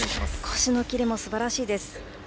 腰のキレもすばらしいです。